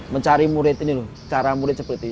mencari murid ini loh cara murid seperti ini